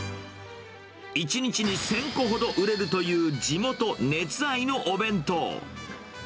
１日に１０００個ほど売れるという地元熱愛のお弁当。